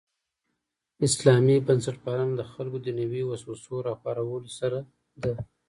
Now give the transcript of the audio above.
اسلامي بنسټپالنه د خلکو دنیوي وسوسو راپارولو سره ده.